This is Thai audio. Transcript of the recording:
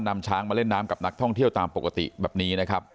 นำช้างมาเล่นน้ำกับนักท่องเที่ยวตามปกติแบบนี้นะครับ